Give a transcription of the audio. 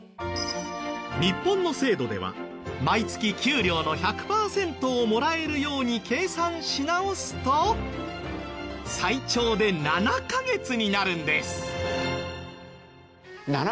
日本の制度では毎月給料の１００パーセントをもらえるように計算し直すと最長で７カ月になるんです。